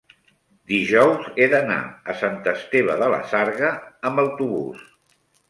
dijous he d'anar a Sant Esteve de la Sarga amb autobús.